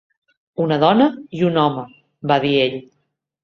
"Una dona i un home", va dir ell.